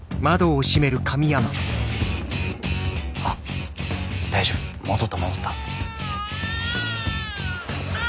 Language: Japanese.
あっ大丈夫戻った戻った。